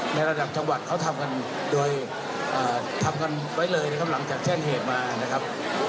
ในระดับจังหวัดเขาทำกันโดยทำกันไว้เลยนะครับหลังจากแจ้งเหตุมานะครับ